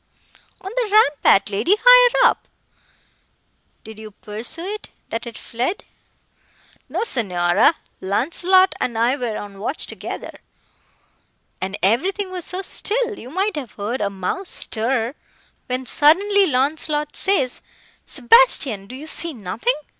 "On the rampart, lady, higher up." "Did you pursue it, that it fled?" "No, Signora. Launcelot and I were on watch together, and everything was so still, you might have heard a mouse stir, when, suddenly, Launcelot says—Sebastian! do you see nothing?